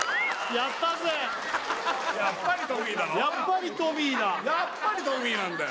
やっぱりトミーなんだよ